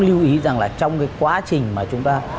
lưu ý rằng là trong cái quá trình mà chúng ta